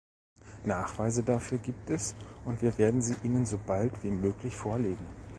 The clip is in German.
Nachweise dafür gibt es und wir werden sie Ihnen so bald wie möglich vorlegen.